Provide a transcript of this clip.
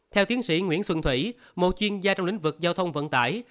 theo tiến sĩ nguyễn xuân thủy một chuyên gia trong lĩnh vực giao thông vận tải